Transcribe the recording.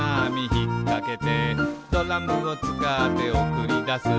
ひっかけて」「ドラムをつかっておくりだす」